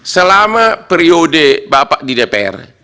selama periode bapak di dpr